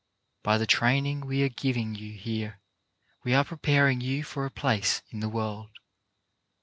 By the train ing we are giving you here we are preparing you for a place in the world.